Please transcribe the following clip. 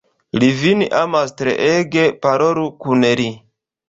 Li vin amas treege, parolu kun li.